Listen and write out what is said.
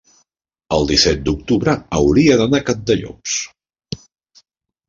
el disset d'octubre hauria d'anar a Cantallops.